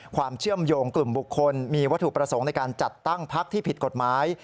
ความเชื่อมโยงกลุ่มบุคคลมีวัตถุประสงค์ในการจัดตั้งพักที่ผิดกฎหมาย